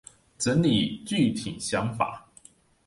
整理具體想法